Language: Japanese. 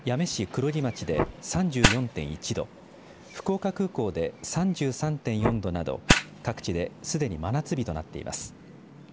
黒木町で３４．１度福岡空港で３３．４度など各地ですでに真夏日となっています。